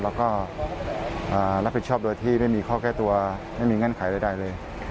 แล้วก็รับผิดชอบโดยที่ไม่มีข้อแก้ตัวไม่มีเงื่อนไขใดเลย